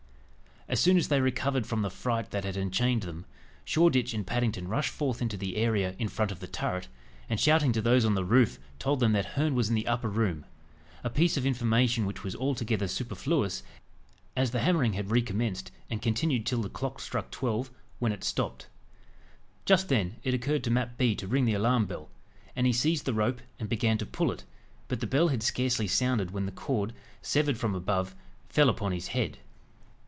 As soon as they recovered from the fright that had enchained them, Shoreditch and Paddington rushed forth into the area in front of the turret, and shouting to those on the roof told them that Herne was in the upper room a piece of information which was altogether superfluous, as the hammering had recommenced, and continued till the clock struck twelve, when it stopped. Just then, it occurred to Mat Bee to ring the alarm bell, and he seized the rope, and began to pull it; but the bell had scarcely sounded, when the cord, severed from above, fell upon his head.